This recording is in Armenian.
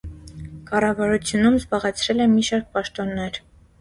Կառավարությունում զբաղեցրել է մի շարք պաշտոններ։